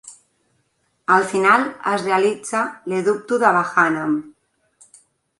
Al final es realitza l'eduppu de Vahanam.